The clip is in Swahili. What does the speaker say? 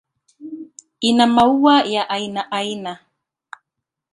Ina maua ya aina aina.